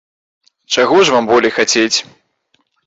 Чаго ж вам болей хацець?